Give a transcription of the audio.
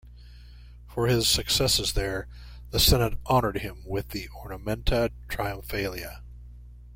For his successes there, the senate honoured him with the ornamenta triumphalia.